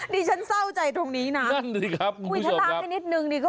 นี่ฉันเศร้าใจตรงนี้น่ะนั่นนี่ครับถ้าร๊างได้นิดหนึ่งดีก็